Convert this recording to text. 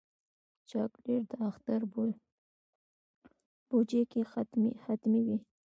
چاکلېټ د اختر بوجۍ کې حتمي وي.